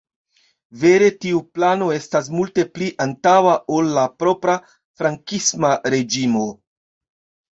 Vere tiu plano estas multe pli antaŭa ol la propra frankisma reĝimo.